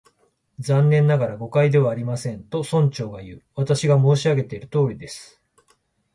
「残念ながら、誤解ではありません」と、村長がいう。「私が申し上げているとおりです」